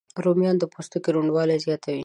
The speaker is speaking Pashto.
رومیان د پوستکي روڼوالی زیاتوي